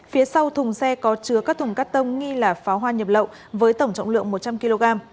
phía sau thùng xe có chứa các thùng cắt tông nghi là pháo hoa nhập lậu với tổng trọng lượng một trăm linh kg